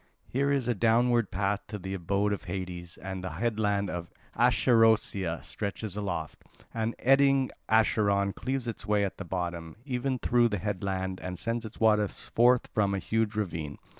Here is a downward path to the abode of Hades, and the headland of Acherusia stretches aloft, and eddying Acheron cleaves its way at the bottom, even through the headland, and sends its waters forth from a huge ravine.